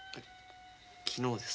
昨日です。